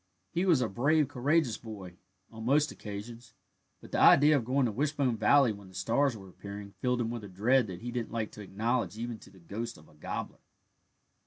He was a brave, courageous boy, on most occasions, but the idea of going to Wishbone Valley when the stars were appearing filled him with a dread that he didn't like to acknowledge even to the ghost of a gobbler.